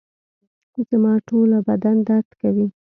زما ټوله بدن درد کوي